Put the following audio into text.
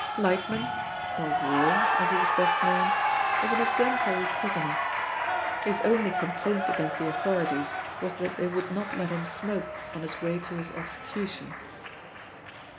Lightman, or Yale, as he was best known, was an exemplary prisoner. His only complaint against the authorities was that they would not let him smoke on his way to his execution.